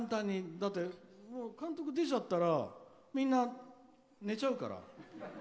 だって、監督が出ちゃったらみんな寝ちゃうから。